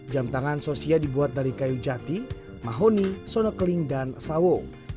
jam tangan sosia dibuat dari kayu jati mahoni sono keling dan sawo